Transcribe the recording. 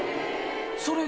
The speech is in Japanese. それ。